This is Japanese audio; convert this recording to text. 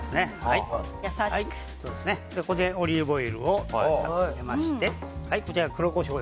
ここにオリーブオイルを入れまして黒コショウ。